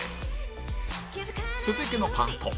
続いてのパート